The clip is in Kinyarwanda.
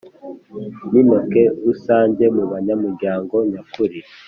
n Inteko Rusange mu banyamuryango nyakuri